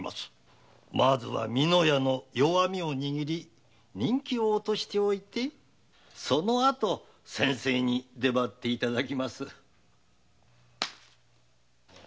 まずは美乃屋の弱みを握り人気を落としておいてその後先生に出張っていただきます。